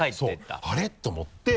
そう「あれ？」と思って。